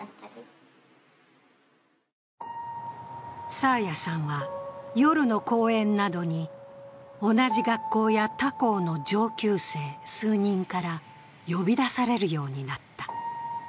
爽彩さんは夜の公園などに同じ学校や他校の上級生数人から呼び出されるようになった。